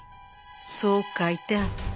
そう書いてあった。